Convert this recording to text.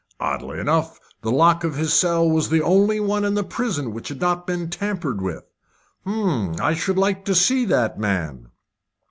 "Oddly enough, the lock of his cell was the only one in the prison which had not been tampered with." "Hum! I should like to see that man."